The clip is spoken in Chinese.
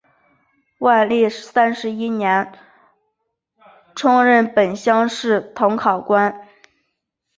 万历三十一年充任本省乡试同考官。